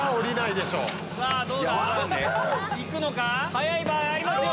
早い場合ありますよ。